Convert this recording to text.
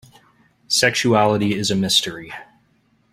Sexuality is a mystery.